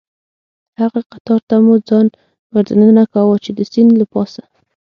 هغه قطار ته مو ځان وردننه کاوه، چې د سیند له پاسه.